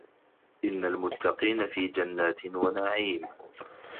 إِنَّ المُتَّقينَ في جَنّاتٍ وَنَعيمٍ